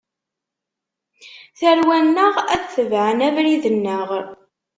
Tarwa-nneɣ ad tebɛen abrid-nneɣ.